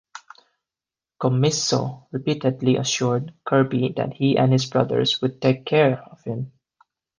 Commisso repeatedly assured Kirby that he and his brothers "would take care" of him.